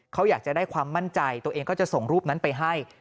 เขาอยากจะได้ความมั่นใจตัวเองก็จะส่งรูปนั้นไปให้